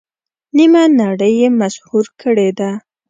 نیمه نړۍ یې مسحور کړې ده.